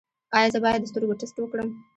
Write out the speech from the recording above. ایا زه باید د سترګو ټسټ وکړم؟